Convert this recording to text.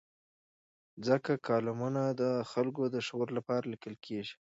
ځکه کالمونه د خلکو د شعور لپاره لیکل کېږي.